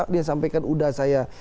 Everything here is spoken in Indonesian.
dia sampaikan udah saya